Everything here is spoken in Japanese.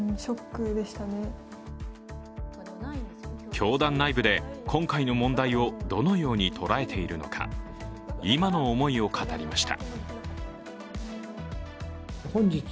教団内部で今回の問題をどのようにとらえているのか、今の思いを語りました。